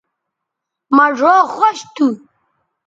مہ ڙھؤ خوش تھو